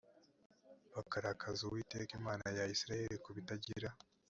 bakarakaza uwiteka imana ya isirayeli ku bitagira